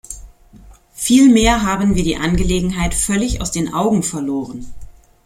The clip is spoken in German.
Vielmehr haben wir die Angelegenheit völlig aus den Augen verloren.